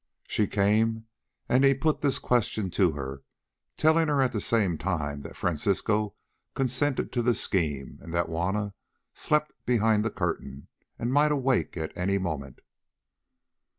She came, and he put this question to her, telling her at the same time that Francisco consented to the scheme and that Juanna slept behind the curtain and might awake at any moment.